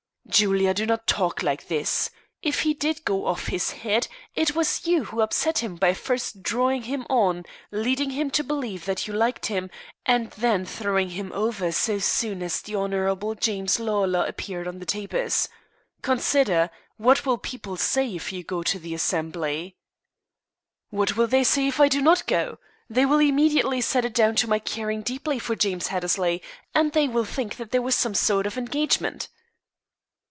"Julia, do not talk like this. If he did go off his head, it was you who upset him by first drawing him on, leading him to believe that you liked him, and then throwing him over so soon as the Hon. James Lawlor appeared on the tapis. Consider: what will people say if you go to the assembly?" "What will they say if I do not go? They will immediately set it down to my caring deeply for James Hattersley, and they will think that there was some sort of engagement."